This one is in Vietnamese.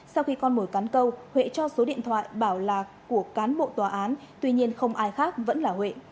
sau khi con mồi cắn câu huệ cho số điện thoại bảo lạc của cán bộ tòa án tuy nhiên không ai khác vẫn là huệ